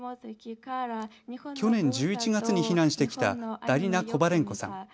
去年１１月に避難してきたダリナ・コバレンコさん。